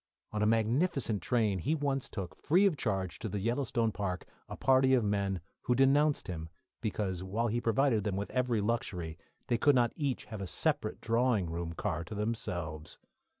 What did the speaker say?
On a magnificent train he once took, free of charge, to the Yellowstone Park, a party of men, who denounced him because, while he provided them with every luxury, they could not each have a separate drawing room car to themselves.